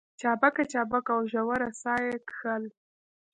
چابکه چابکه او ژوره ساه يې کښل.